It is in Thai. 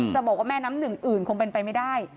จะบอกว่าแม่น้ำหนึ่งอื่นคงเป็นไปไม่ได้